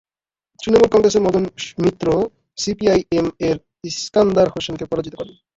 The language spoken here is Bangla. তৃণমূল কংগ্রেসের মদন মিত্র সিপিআই এম এর ইস্কান্দার হোসেনকে পরাজিত করেন।